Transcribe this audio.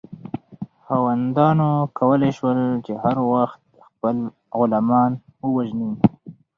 خاوندانو کولی شول چې هر وخت خپل غلامان ووژني.